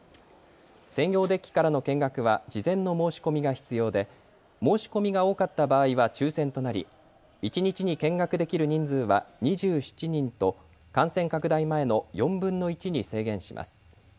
専用デッキからの見学は事前の申し込みが必要で、申し込みが多かった場合は抽せんとなり一日に見学できる人数は２７人と感染拡大前の４分の１に制限します。